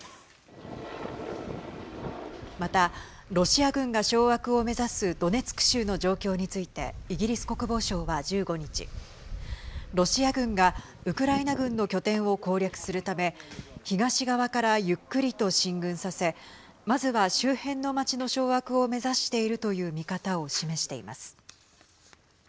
また、ロシア軍が掌握を目指すドネツク州の状況についてイギリス国防省は１５日ロシア軍がウクライナ軍の拠点を攻略するため東側から、ゆっくりと進軍させまずは、周辺の町の掌握を目指しているという見方を示しています。